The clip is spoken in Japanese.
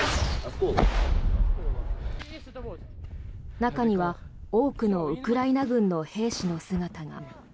中には、多くのウクライナ軍の兵士の姿が。